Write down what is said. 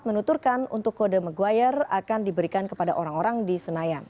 menuturkan untuk kode meguire akan diberikan kepada orang orang di senayan